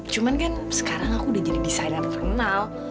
cuman kan sekarang aku udah jadi desainer terkenal